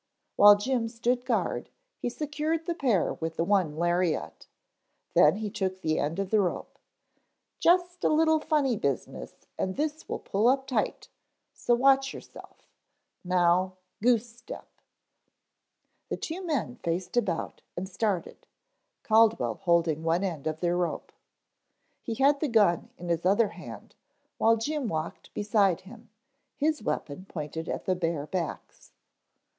While Jim stood guard, he secured the pair with the one lariat, then he took the end of the rope. "Just a little funny business and this will pull up tight, so watch yourself now goose step." The two men faced about and started, Caldwell holding one end of their rope. He had the gun in his other hand, while Jim walked beside him, his weapon pointed at the bare backs.